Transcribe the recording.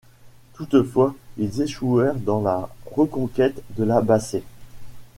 Toutefois, ils échouèrent dans la reconquête de La Bassée.